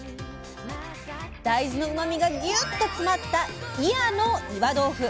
大豆のうまみがギュッと詰まった祖谷の岩豆腐。